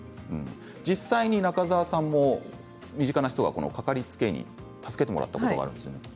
実際に中澤さんも身近な人が掛かりつけ医に助けてもらったことがあるんですね。